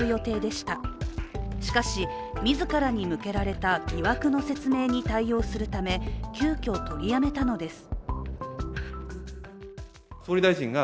しかし、自らに向けられた疑惑の説明に対応するため、急きょ取りやめたのです。